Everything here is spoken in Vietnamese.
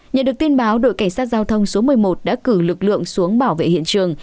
nhận được tin báo đội cảnh sát giao thông số một mươi một đã cử lực lượng xuống bảo vệ hiện trường